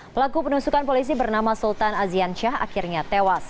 pelaku penusukan polisi bernama sultan azian syah akhirnya tewas